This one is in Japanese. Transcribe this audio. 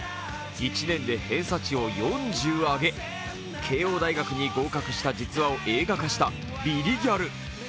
１年で偏差値を４０上げ、慶応大学に合格した実話を映画化した「ビリギャル」。